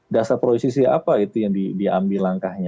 dasar proyeksi apa itu yang diambil langkahnya